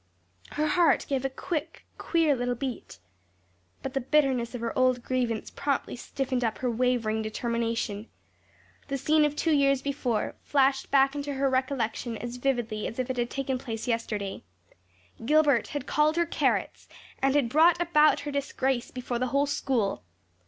Her heart gave a quick, queer little beat. But the bitterness of her old grievance promptly stiffened up her wavering determination. That scene of two years before flashed back into her recollection as vividly as if it had taken place yesterday. Gilbert had called her "carrots" and had brought about her disgrace before the whole school.